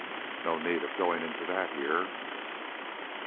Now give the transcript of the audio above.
No need of going into that here.